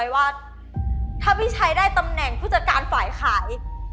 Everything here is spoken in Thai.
ว่าเราสองคนเป็นแฟนกัน